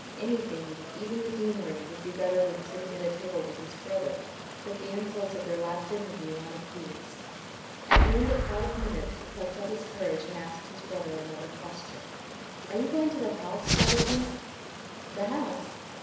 Anything, even the deanery, would be better than sitting at table with his brother, with the insults of their last interview unappeased. At the end of five minutes he plucked up his courage, and asked his brother another question. "Are you going to the house, Brotherton?" "The house!